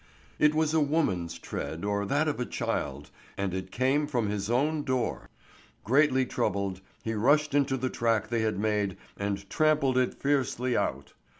It was a woman's tread or that of a child, and it came from his own door. Greatly troubled he rushed into the track they had made and trampled it fiercely out.